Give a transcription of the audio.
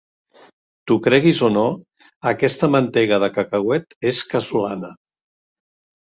T'ho creguis o no, aquesta mantega de cacauet és casolana.